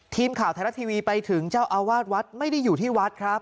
ทีมข่าวไทยรัฐทีวีไปถึงเจ้าอาวาสวัดไม่ได้อยู่ที่วัดครับ